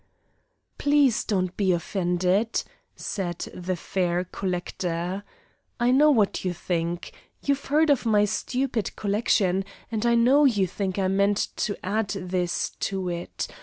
"Please don't be offended," said the fair collector. "I know what you think. You've heard of my stupid collection, and I know you think I meant to add this to it.